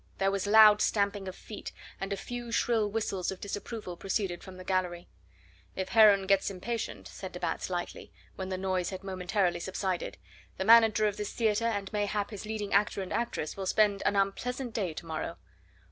There was loud stamping of feet, and a few shrill whistles of disapproval proceeded from the gallery. "If Heron gets impatient," said de Batz lightly, when the noise had momentarily subsided, "the manager of this theatre and mayhap his leading actor and actress will spend an unpleasant day to morrow."